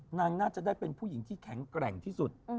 น่าจะได้เป็นผู้หญิงที่แข็งแกร่งที่สุด